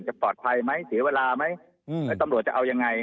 ปลอดภัยไหมเสียเวลาไหมแล้วตำรวจจะเอายังไง